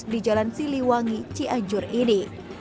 di jalan siliwangi cianjur ini